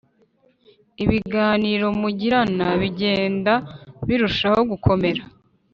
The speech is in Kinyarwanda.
ibiganiro mugirana bigenda birushaho gukomera.